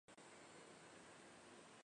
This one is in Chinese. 该物种的模式产地在浙江坎门。